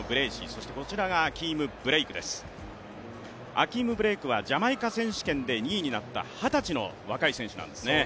そしてこちらがアキーム・ブレイクアキーム・ブレイクはジャマイカ選手権で２位になった二十歳の若い選手なんです。